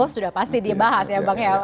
oh sudah pasti dibahas ya bang